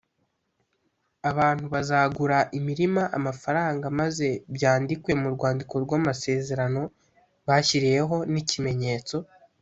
Abantu bazagura imirima amafaranga maze byandikwe mu rwandiko rw amasezerano bashyireho ni ikimenyetso